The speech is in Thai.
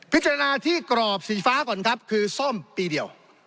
พิจารณาที่กรอบสีฟ้าก่อนครับคือซ่อมปีเดียว